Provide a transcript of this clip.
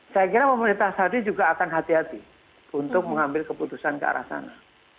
saya kira pemerintah saudi juga akan hati hati untuk mengambil keputusan ke arah sana